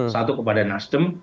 satu kepada nasdem